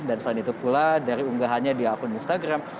dan selain itu pula dari unggahannya di akun instagram